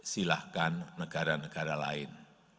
silahkan negara negara lain